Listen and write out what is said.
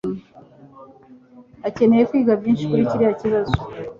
akeneye kwiga byinshi kuri kiriya kibazo.